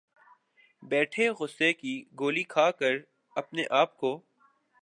بیٹھے غصے کی گولی کھا کر اپنے آپ کو